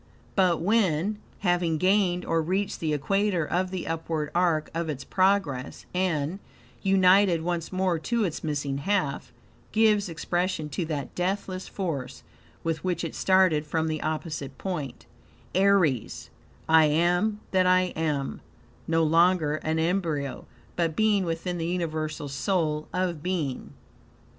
But when, having gained or reached the equator of the upward arc of its progress, and, united once more to its missing half, gives expression to that deathless force with which it started from the opposite point, Aries: "I AM THAT I AM;" no longer an embryo, but being within the UNIVERSAL SOUL of being.